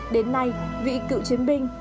đến nay vị cựu chiến binh